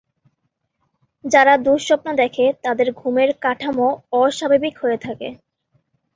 যারা দুঃস্বপ্ন দেখে তাদের ঘুমের কাঠামো অস্বাভাবিক হয়ে থাকে।